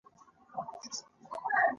د خوشال سلام پۀ واړه ښو یارانو